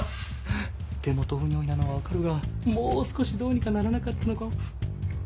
手元不如意なのは分かるがもう少しどうにかならなかったのか？